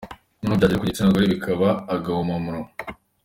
Noneho byagera ku gitsina gore bikaba agahuma munwa.